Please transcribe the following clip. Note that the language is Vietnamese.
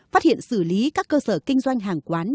phát hiện xử lý các cơ sở kinh doanh hàng quán